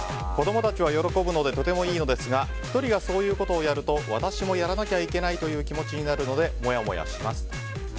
子供たちは喜ぶのでとてもいいのですが１人がそういうことをやると私もやらなきゃいけないという気持ちになるのでモヤモヤします。